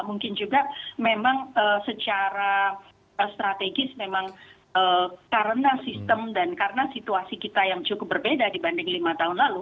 mungkin juga memang secara strategis memang karena sistem dan karena situasi kita yang cukup berbeda dibanding lima tahun lalu